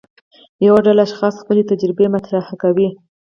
یوه ډله اشخاص خپلې تجربې مطرح کوي.